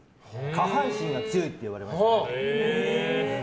下半身が強いって言われました。